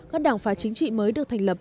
các đảng phá chính trị mới được thành lập